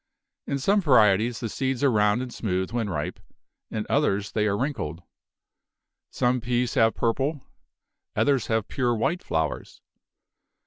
In some varieties the seeds are round and smooth when ripe; in others they are wrinkled. Some peas have purple, others have pure white flowers.